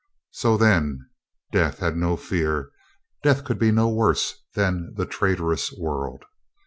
So then. Death had no fear. Death could be no worse than the traitorous world.